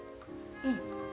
うん。